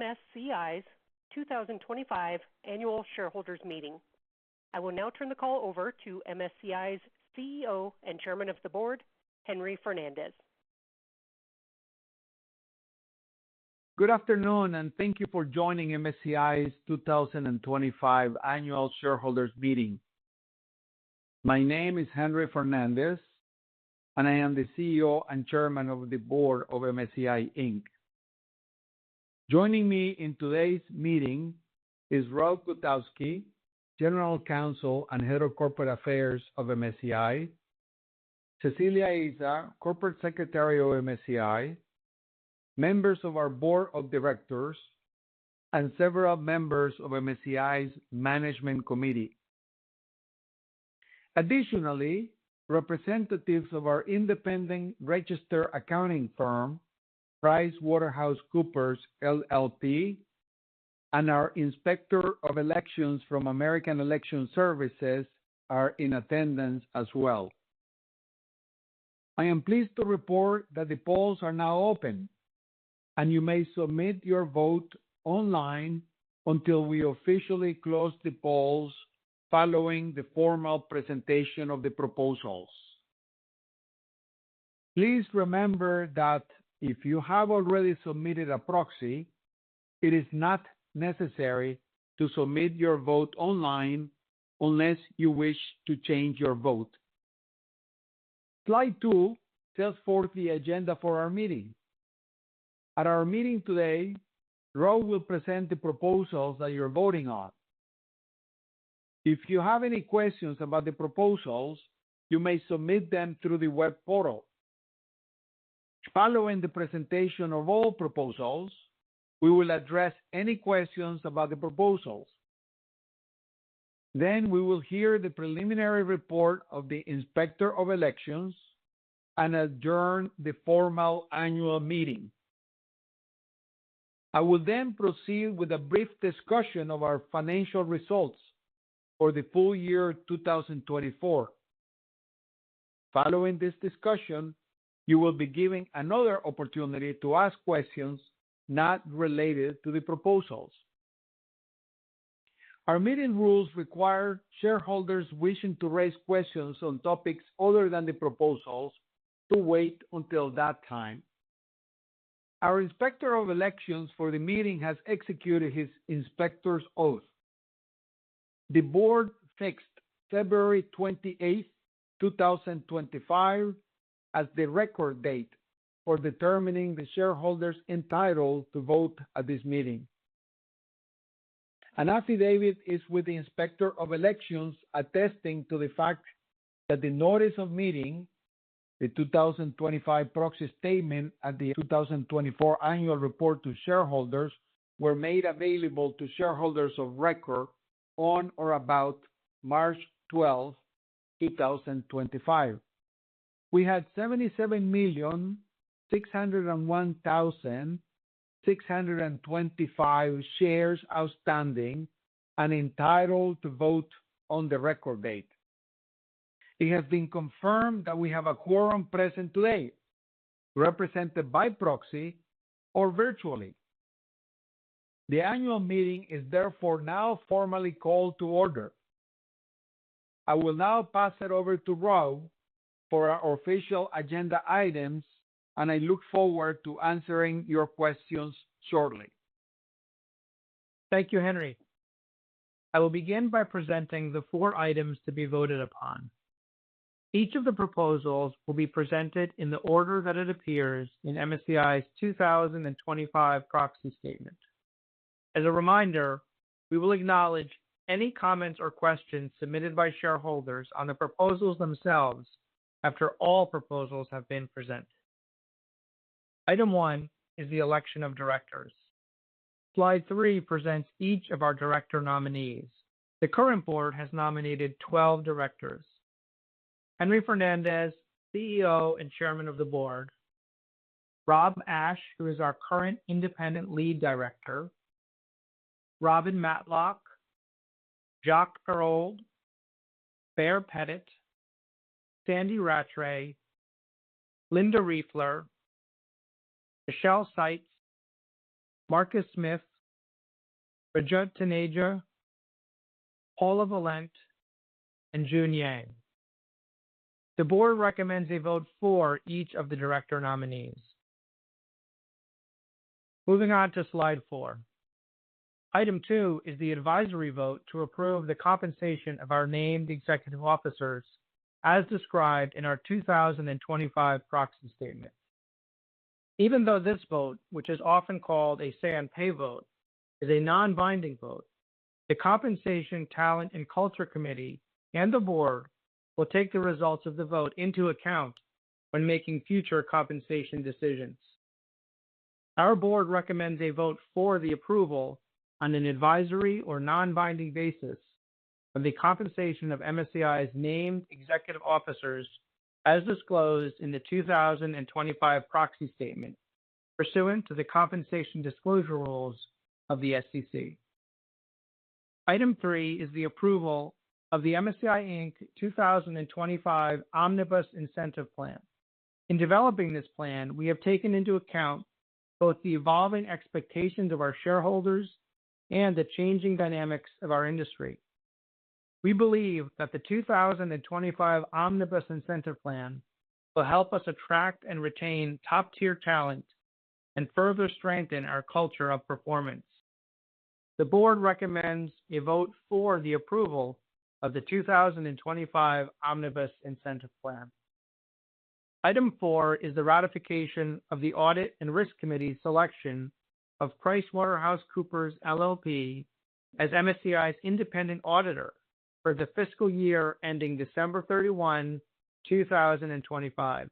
MSCI's 2025 Annual Shareholders Meeting. I will now turn the call over to MSCI's CEO and Chairman of the Board, Henry Fernandez. Good afternoon and thank you for joining MSCI's 2025 annual shareholders meeting. My name is Henry Fernandez and I am the CEO and Chairman of the Board of MSCI. Joining me in today's meeting is Rob Gutowski, General Counsel and Head of Corporate Affairs of MSCI, Cecilia Aza, Corporate Secretary of MSCI, members of our Board of Directors, and several members of MSCI's management committee. Additionally, representatives of our independent registered public accounting firm, PricewaterhouseCoopers LLP, and our Inspector of Elections from American Election Services are in attendance as well. I am pleased to report that the polls are now open and you may submit your vote online until we officially close the polls following the formal presentation of the proposals. Please remember that if you have already submitted a proxy, it is not necessary to submit your vote online unless you wish to change your vote. Slide two sets forth the agenda for our meeting. At our meeting today, Rob will present the proposals that you're voting on. If you have any questions about the proposals, you may submit them through the web portal. Following the presentation of all proposals, we will address any questions about the proposals. After that, we will hear the preliminary report of the Inspector of Elections and adjourn the formal annual meeting. I will then proceed with a brief discussion of our financial results for the full year 2024. Following this discussion, you will be given another opportunity to ask questions not related to the proposals. Our meeting rules require shareholders wishing to raise questions on topics other than the proposals to wait until that time. Our Inspector of Elections for the meeting has executed his Inspector's oath. The board fixed February 28, 2025 as the record date for determining the shareholders entitled to vote at this meeting. An affidavit is with the Inspector of Elections attesting to the fact that the notice of meeting, the 2025 proxy statement, and the 2024 annual report to shareholders were made available to shareholders of record on or about March 12, 2025. We had 77,601,625 shares outstanding and entitled to vote on the record date. It has been confirmed that we have a quorum present today, represented by proxy or virtually. The Annual Meeting is therefore now formally called to order. I will now pass it over to Rob for our official agenda items, and I look forward to answering your questions shortly. Thank you, Henry. I will begin by presenting the four items to be voted upon. Each of the proposals will be presented in the order that it appears in MSCI's 2025 proxy statement. As a reminder, we will acknowledge any comments or questions submitted by shareholders on the proposals themselves after all proposals have been presented. Item one is the election of Directors. Slide three presents each of our Director nominees. The current board has nominated 12 directors: Henry Fernandez, CEO and Chairman of the Board; Rob Ashe, who is our current Independent Lead Director; Robin Matlock; Jacques Perold; Baer Pettit; Sandy Rattray; Linda Riefler; Michelle Seitz; Marcus Smith; Rajat Taneja; Paula Volent; and June Yang. The Board recommends a vote for each of the Director nominees. Moving on to slide four. Item two is the advisory vote to approve the compensation of our named Executive Officers as described in our 2025 Proxy Statement. Even though this vote, which is often called a Say on Pay Vote, is a non binding vote, the Compensation, Talent and Culture Committee and the Board will take the results of the vote into account when making future compensation decisions. Our Board recommends a vote for the approval on an advisory or non binding basis of the compensation of MSCI's named executive officers as disclosed in the 2025 Proxy Statement pursuant to the Compensation Disclosure rules of the SEC. Item three is the approval of the MSCI 2025 Omnibus Incentive Plan. In developing this plan, we have taken into account both the evolving expectations of our shareholders and the changing dynamics of our industry. We believe that the 2025 Omnibus Incentive Plan will help us attract and retain top tier talent and further strengthen our culture of performance. The Board recommends a vote for the approval of the 2025 Omnibus Incentive Plan. Item four is the ratification of the Audit and Risk Committee selection of PricewaterhouseCoopers LLP as MSCI's independent auditor for the fiscal year ending December 31, 2025.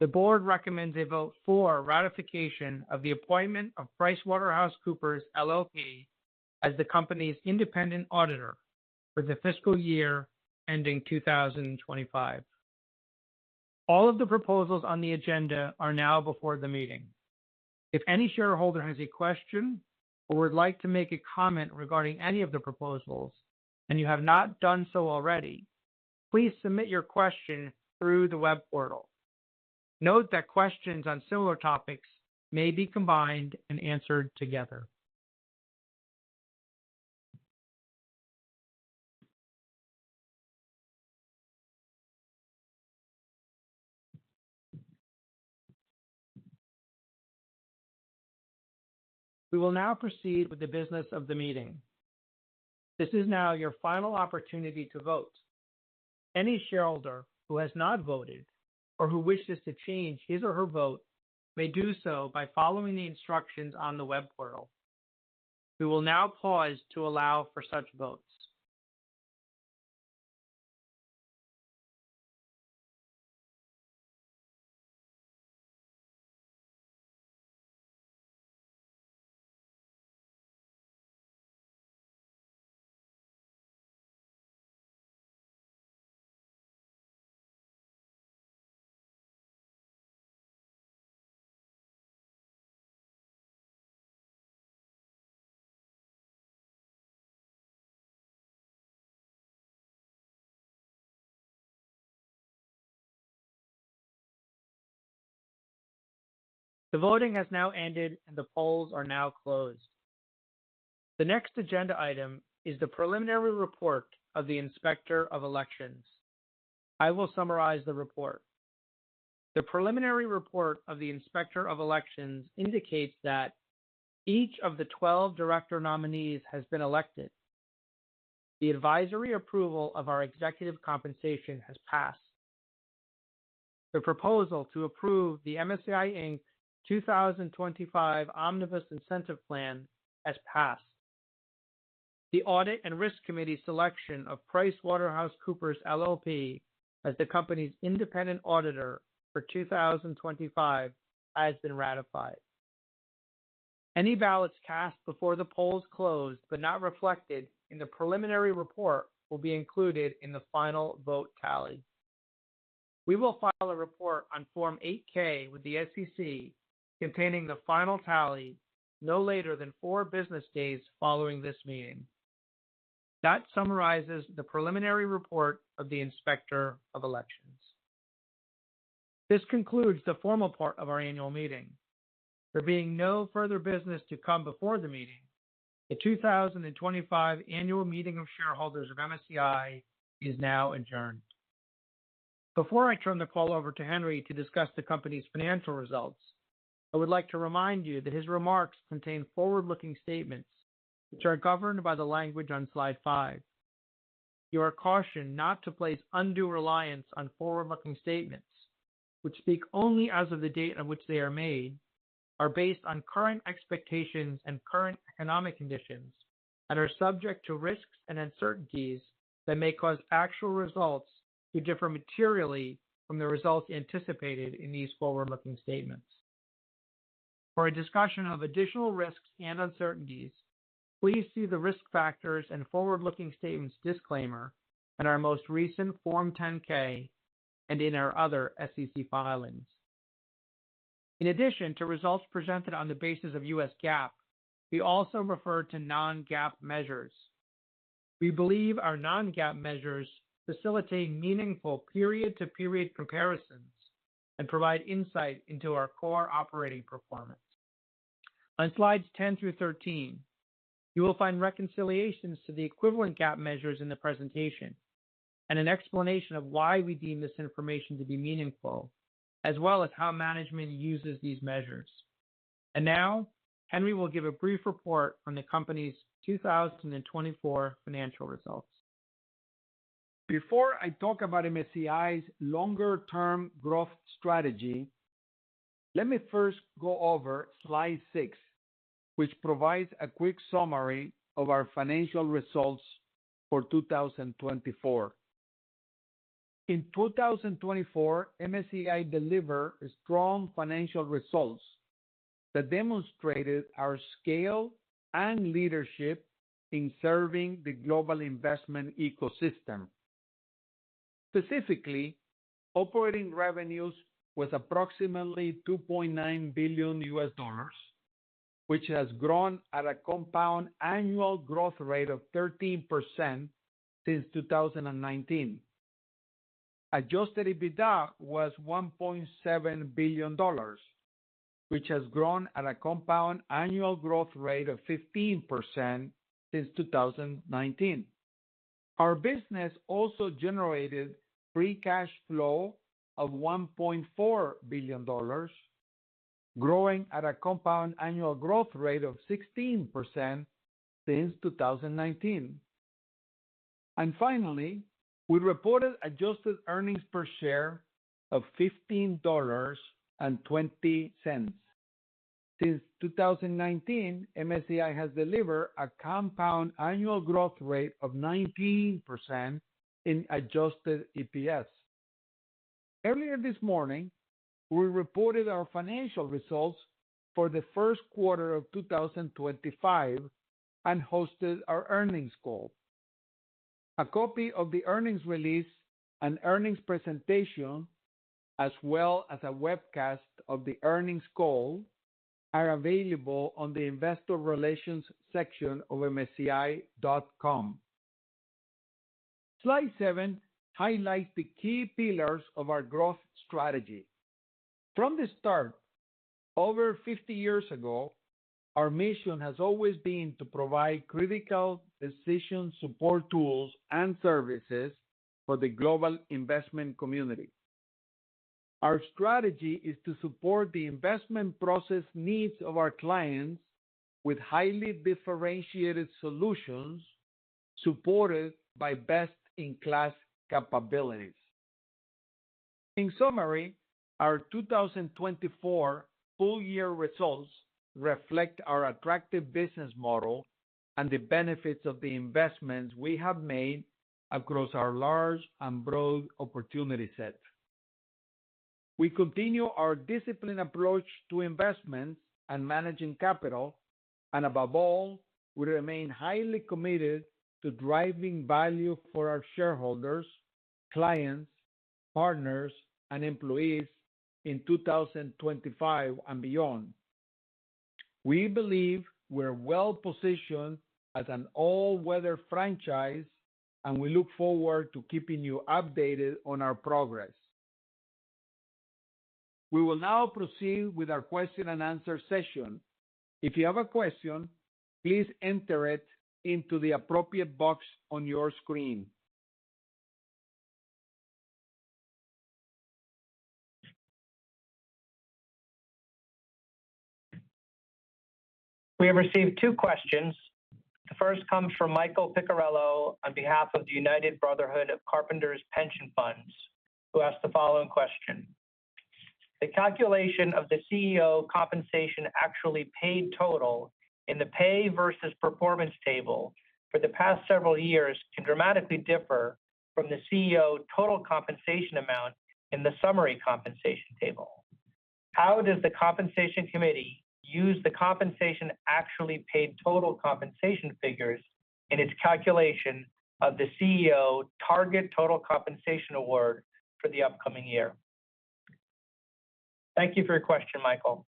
The Board recommends a vote for ratification of the appointment of PricewaterhouseCoopers LLP as the Company's independent auditor for the fiscal year ending 2025. All of the proposals on the agenda are now before the meeting. If any shareholder has a question or would like to make a comment regarding any of the proposals and you have not done so already, please submit your question through the web portal. Note that questions on similar topics may be combined and answered together. We will now proceed with the business of the meeting. This is now your final opportunity to vote. Any shareholder who has not voted or who wishes to change his or her vote may do so by following the instructions on the web portal. We will now pause to allow for such votes. The voting has now ended and the polls are now closed. The next agenda item is the preliminary report of the Inspector of Elections. I will summarize the report. The preliminary report of the Inspector of Elections indicates that each of the 12 director nominees has been elected. The advisory approval of our Executive Compensation has passed. The proposal to approve the MSCI 2025 Omnibus Incentive Plan has passed. The Audit and Risk Committee selection of PricewaterhouseCoopers LLP as the company's independent auditor for 2025 has been ratified. Any ballots cast before the polls closed but not reflected in the preliminary report will be included in the final vote tally. We will file a report on Form 8-K with the SEC containing the final tally no later than four business days following this meeting that summarizes the preliminary report of the Inspector of Elections. This concludes the formal part of our annual meeting, there being no further business to come before the meeting. The 2025 annual meeting of Shareholders of MSCI is now adjourned. Before I turn the call over to Henry to discuss the Company's financial results, I would like to remind you that his remarks contain forward looking statements which are governed by the language on slide five. You are cautioned not to place undue reliance on forward-looking statements, which speak only as of the date on which they are made, are based on current expectations and current economic conditions, and are subject to risks and uncertainties that may cause actual results to differ materially from the results anticipated in these forward-looking statements. For a discussion of additional risks and uncertainties, please see the risk factors and forward-looking statements disclaimer in our most recent Form 10-K and in our other SEC filings. In addition to results presented on the basis of US GAAP, we also refer to non-GAAP measures. We believe our non-GAAP measures facilitate meaningful period-to-period comparisons and provide insight into our core operating performance. On slides 10 through 13, you will find reconciliations to the equivalent GAAP measures in the presentation and an explanation of why we deem this information to be meaningful as well as how management uses these measures. Henry will give a brief report on the company's 2024 financial results. Before I talk about MSCI's longer term growth strategy, let me first go over slide 6 which provides a quick summary of our financial results for 2024. In 2024, MSCI delivered strong financial results that demonstrated our scale and leadership in serving the global investment ecosystem. Specifically, operating revenues was approximately $2.9 billion, which has grown at a compound annual growth rate of 13% since 2019. Adjusted EBITDA was $1.7 billion, which has grown at a compound annual growth rate of 15% since 2019. Our business also generated free cash flow of $1.4 billion, growing at a compound annual growth rate of 16% since 2019. Finally, we reported adjusted earnings per share of $15.20. Since 2019, MSCI has delivered a compound annual growth rate of 19% in adjusted EPS. Earlier this morning, we reported our financial results for the first quarter of 2025 and hosted our Earnings Call. A copy of the earnings release and earnings presentation as well as a webcast of the earnings call are available on the Investor Relations section of msci.com. Slide 7 highlights the key pillars of our growth strategy. From the start over 50 years ago, our mission has always been to provide critical decision support tools and services for the global investment community. Our strategy is to support the investment process needs of our clients with highly differentiated solutions supported by best-in-class capabilities. In summary, our 2024 full year results reflect our attractive business model and the benefits of the investments we have made across our large and broad opportunity set. We continue our disciplined approach to investments and managing capital and above all, we remain highly committed to driving value for our shareholders, clients, partners, and employees in 2025 and beyond. We believe we're well positioned as an all weather franchise and we look forward to keeping you updated on our progress. We will now proceed with our question and answer session. If you have a question, please enter it into the appropriate box on your screen. We have received two questions. The first comes from Michael Piccirillo on behalf of the United Brotherhood of Carpenters' Pension Funds, who asked the following question: the calculation of the CEO Compensation Actually Paid total in the Pay Versus Performance table for the past several years can dramatically differ from the CEO Total compensation amount in the summary compensation table. How does the Compensation Committee use the Compensation Actually Paid total compensation figures in its calculation of the CEO Target Total Compensation award for the upcoming year? Thank you for your question, Michael.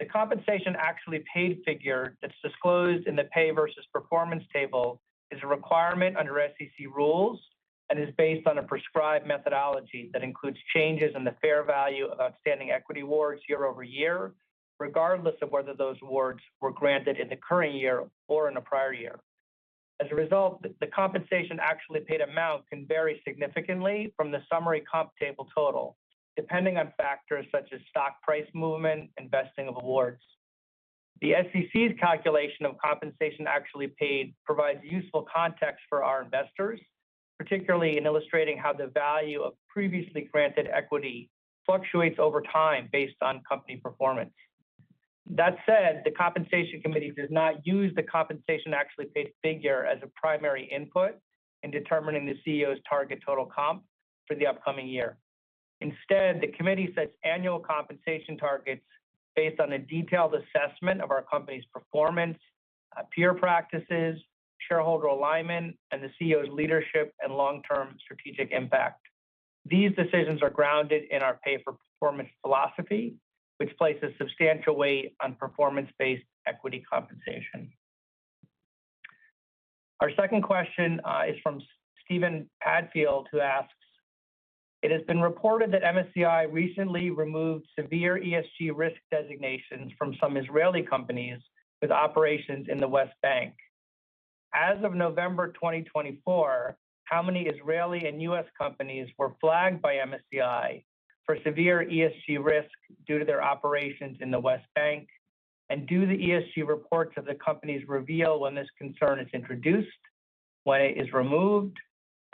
The Compensation actually Paid figure that's disclosed in the Pay Versus Performance table is a requirement under SEC rules and is based on a prescribed methodology that includes changes in the fair value of outstanding equity awards year over year, regardless of whether those awards were granted in the current year or in a prior year. As a result, the Compensation Actually Paid amount can vary significantly from the summary comp table total depending on factors such as stock price, movement and vesting of awards. The SEC's calculation of Compensation Actually Paid provides useful context for our investors, particularly in illustrating how the value of previously granted equity fluctuates over time based on company performance. That said, the Compensation Committee does not use the Compensation Actually Paid figure as a primary input in determining the CEO's target total comp for the upcoming year. Instead, the Committee sets annual compensation targets based on a detailed assessment of our company's performance, peer practices, shareholder alignment and the CEO's leadership and long term strategic impact. These decisions are grounded in our pay for performance philosophy which places substantial weight on performance based equity compensation. Our second question is from Stefan Padfield, who asks it has been reported that MSCI recently removed severe ESG risk designations from some Israeli companies with operations in the West Bank. As of November 2024, how many Israeli and US companies were flagged by MSCI for severe ESG risk due to their operations in the West Bank? Do the ESG reports of the companies reveal when this concern is introduced, when it is removed,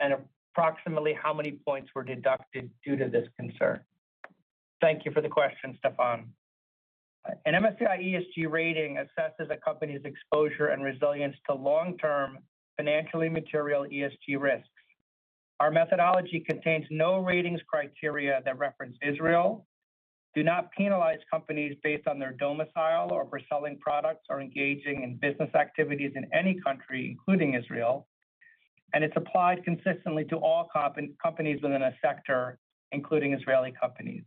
and approximately how many points were deducted due to this concern? Thank you for the question, Steven. An MSCI ESG Rating assesses a company's exposure and resilience to long term financially material ESG risks. Our methodology contains no ratings criteria that reference Israel, do not penalize companies based on their domicile or for selling products or engaging in business activities in any country, including Israel, and it's applied consistently to all companies within a sector, including Israeli companies.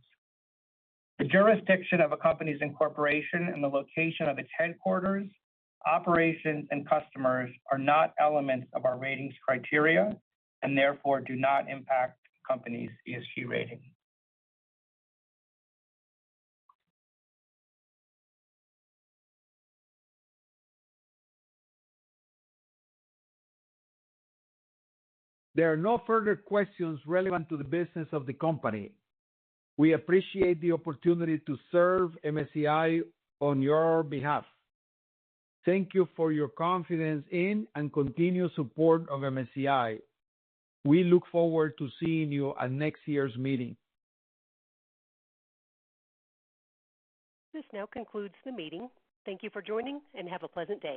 The jurisdiction of a company's incorporation and the location of its headquarters, operations, and customers are not elements of our ratings criteria and therefore do not impact companies' ESG Rating. There are no further questions relevant to the business of the company. We appreciate the opportunity to serve MSCI on your behalf. Thank you for your confidence in and continued support of MSCI. We look forward to seeing you at next year's meeting. This now concludes the meeting. Thank you for joining and have a pleasant day.